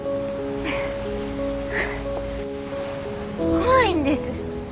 怖いんです。